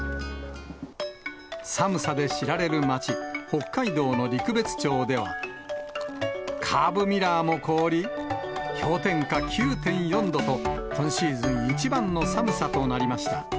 寒さで知られる街、北海道の陸別町では、カーブミラーも凍り、氷点下９．４度と、今シーズン一番の寒さとなりました。